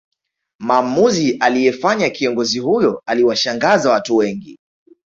Maamuzi aliyefanya kiongozi huyo aliwashangaza watu wengi